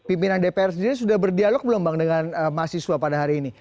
pimpinan dpr sendiri sudah berdialog belum bang dengan mahasiswa pada hari ini